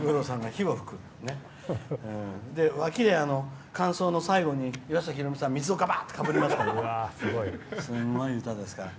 脇で間奏の最後に岩崎宏美さん水をガバッとかぶりますから。